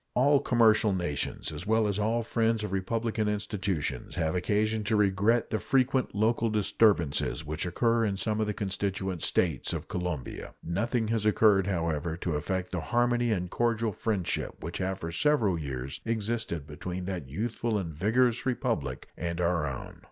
All commercial nations, as well as all friends of republican institutions, have occasion to regret the frequent local disturbances which occur in some of the constituent States of Colombia. Nothing has occurred, however, to affect the harmony and cordial friendship which have for several years existed between that youthful and vigorous Republic and our own.